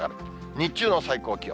日中の最高気温。